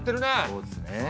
そうですね。